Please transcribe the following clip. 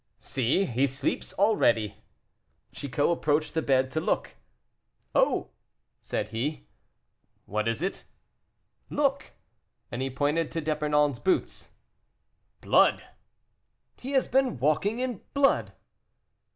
"See, he sleeps already." Chicot approached the bed to look. "Oh!" said he. "What is it?" "Look," and he pointed to D'Epernon's boots. "Blood!" "He has been walking in blood."